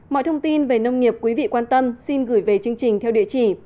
mọi thông tin về nông nghiệp quý vị quan tâm xin gửi về chương trình theo địa chỉ